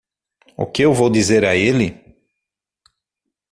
O que eu vou dizer a ele?